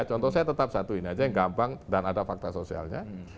contoh saya tetap satu ini aja yang gampang dan ada fakta sosialnya